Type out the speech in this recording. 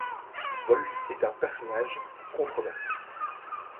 Wolff est un personnage controversé.